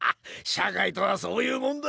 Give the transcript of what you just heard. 社会とはそういうもんだ！